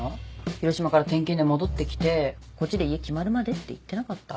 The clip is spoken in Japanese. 広島から転勤で戻ってきてこっちで家決まるまでって言ってなかった？